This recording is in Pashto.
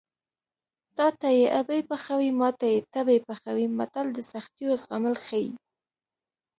تاته یې ابۍ پخوي ماته یې تبۍ پخوي متل د سختیو زغمل ښيي